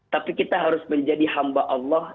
tapi kita harus menjadi hamba allah